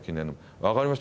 「分かりました。